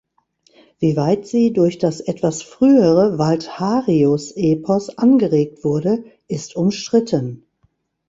Wie weit sie durch das etwas frühere Waltharius-Epos angeregt wurde, ist umstritten.